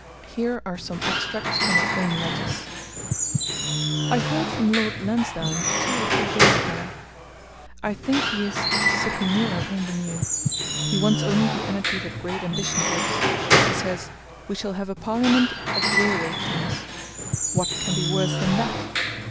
Here are some extracts from her own letters: I heard from Lord Lansdowne two or three days ago. ... I think he is ce que nous avons de mieux. He wants only the energy that great ambition gives. He says, 'We shall have a parliament of railway kings' ... what can be worse than that?